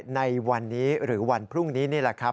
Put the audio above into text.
ในวันนี้หรือวันพรุ่งนี้นี่แหละครับ